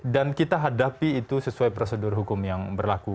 dan kita hadapi itu sesuai prosedur hukum yang berlaku